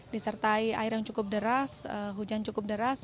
disertai air yang cukup deras